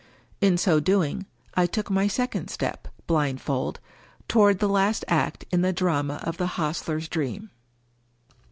In so doing, I took my second step, blind fold, toward the last act in the drama of the Hostler's Dream.